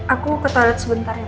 aku ke toilet sebentar ya